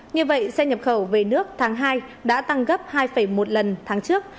như vậy xe nhập khẩu về nước tháng hai đã tăng gấp hai một lần tháng trước